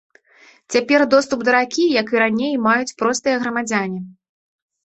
Цяпер доступ да ракі, як і раней, маюць простыя грамадзяне.